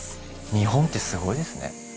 日本ってすごいですね。